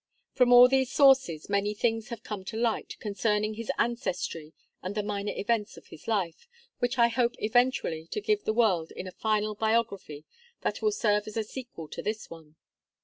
From all these sources many things have come to light concerning his ancestry and the minor events of his life, which I hope eventually to give the world in a final biography that will serve as a sequel to this one.